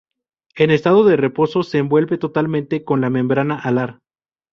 En estado de reposo se envuelve totalmente con la membrana alar.